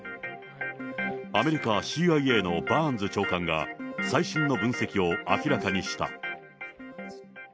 アメリカＣＩＡのバーンズ長官が、最新の分析を明らかにした。